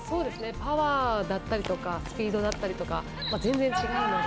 パワーだったりとかスピードだったりとか全然違うので。